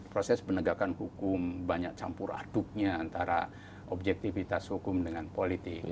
proses penegakan hukum banyak campur aduknya antara objektivitas hukum dengan politik